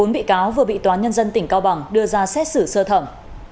bốn bị cáo vừa bị tòa nhân dân tỉnh cao bằng đưa ra xét xử sơ thẩm